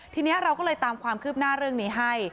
ทีนี้เราก็เลยตามความคืบหน้าเรื่องนี้ให้